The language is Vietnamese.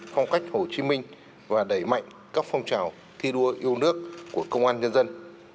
phong cách hồ chí minh và đẩy mạnh các phong trào thi đua yêu nước của công an nhân dân